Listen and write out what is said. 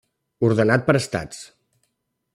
Ordenat per estats.